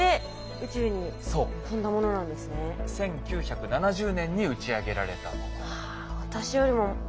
１９７０年に打ち上げられたもの。